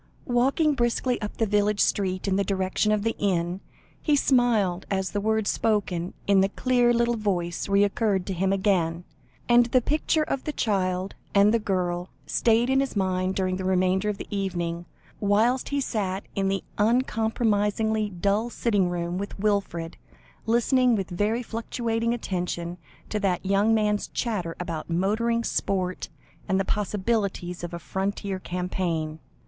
Walking briskly up the village street in the direction of the inn, he smiled, as the words spoken in the clear little voice recurred to him again, and the picture of the child and the girl stayed in his mind during the remainder of the evening, whilst he sat in the uncompromisingly dull sitting room with Wilfred, listening with very fluctuating attention to that young man's chatter, about motoring, sport, and the possibilities of a Frontier campaign.